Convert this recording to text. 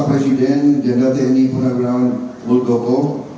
pak presiden general tni penagrawan bulgoko